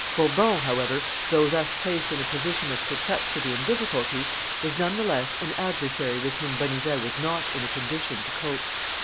ii. p. 531.] Bourbon, however, though thus placed in a position of perplexity and difficulty, was none the less an adversary with whom Bonnivet was not in a condition to cope.